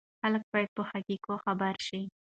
خلک باید په حقایقو خبر شي.